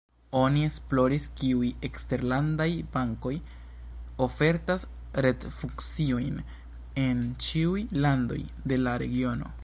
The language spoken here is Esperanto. Oni esploris kiuj eksterlandaj bankoj ofertas retfunkciojn en ĉiuj landoj de la regiono.